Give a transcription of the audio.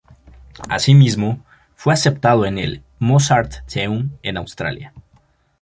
Asimismo fue aceptado en el Mozarteum en Austria.